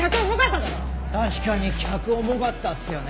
確かに客重かったっすよね。